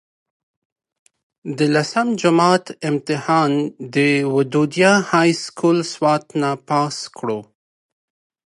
د لسم جمات امتحان د ودوديه هائي سکول سوات نه پاس کړو